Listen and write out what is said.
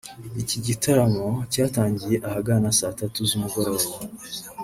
Iki gitaramo cyatangiye ahagana saa tatu z’umugoroba